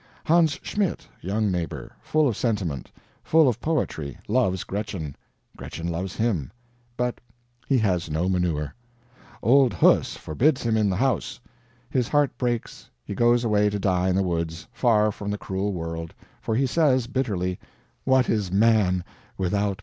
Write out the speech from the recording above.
Hans Schmidt, young neighbor, full of sentiment, full of poetry, loves Gretchen, Gretchen loves him. But he has no manure. Old Huss forbids him in the house. His heart breaks, he goes away to die in the woods, far from the cruel world for he says, bitterly, "What is man, without manure?"